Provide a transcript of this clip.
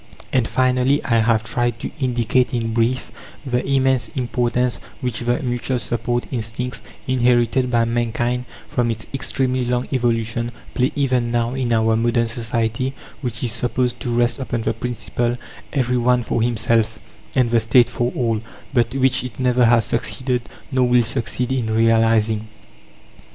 And finally, I have tried to indicate in brief the immense importance which the mutual support instincts, inherited by mankind from its extremely long evolution, play even now in our modern society, which is supposed to rest upon the principle: "every one for himself, and the State for all," but which it never has succeeded, nor will succeed in realizing.